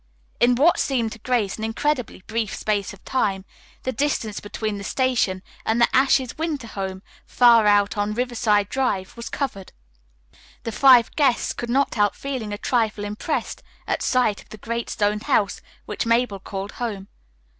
In what seemed to Grace an incredibly brief space of time, the distance between the station and the Ashes' winter home far out on Riverside Drive was covered. The five guests could not help feeling a trifle impressed at sight of the great stone house which Mabel called home.